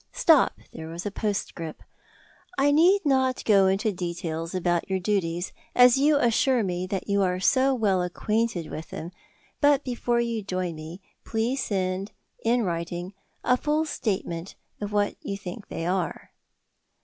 Stop, there was a postscript: "I need not go into details about your duties, as you assure me you are so well acquainted with them, but before you join me please send (in writing) a full statement of what you think they are."